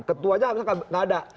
ketuanya nggak ada